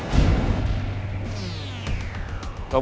lo mau nambah masalah putri lagi